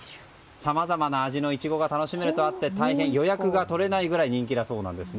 さまざまな味のイチゴが楽しめるとあって予約が取れないぐらい人気だそうなんですね。